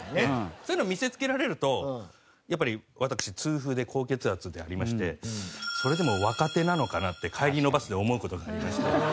そういうのを見せつけられるとやっぱり私痛風で高血圧でありましてそれでも若手なのかなって帰りのバスで思う事がありまして。